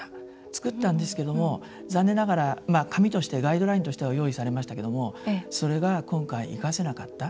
作ったんですけども残念ながら紙として、ガイドラインとしては用意されましたけれどもそれが今回生かせなかった。